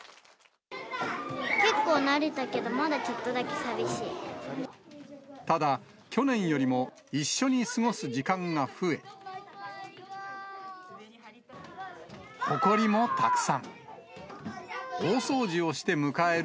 結構慣れたけど、ただ、去年よりも一緒に過ごす時間が増え、ほこりもたくさん。